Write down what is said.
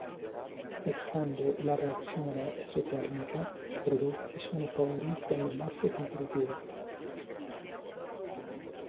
Essendo la reazione esotermica i prodotti sono favoriti dalla basse temperature.